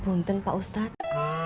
buktin pak ustadz